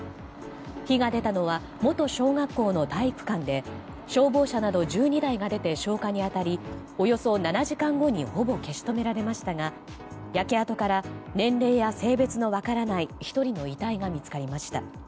火が出たのは元小学校の体育館で消防車など１２台が出て消火に当たりおよそ７時間後にほぼ消し止められましたが焼け跡から年齢や性別の分からない１人の遺体が見つかりました。